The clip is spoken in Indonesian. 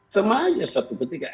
semuanya satu ketiga